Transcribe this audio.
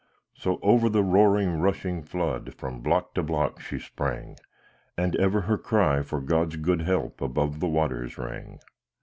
So over the roaring rushing flood, From block to block she sprang, And ever her cry for God's good help Above the waters rang.